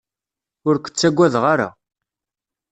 Ur k-ttagadeɣ ara.